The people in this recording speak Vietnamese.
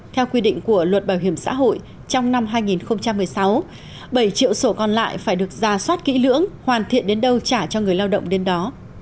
theo quy định của luật bảo hiểm xã hội trong năm hai nghìn một mươi sáu bảy triệu sổ còn lại phải được ra soát kỹ lưỡng hoàn thiện đến đâu trả cho người lao động đến đó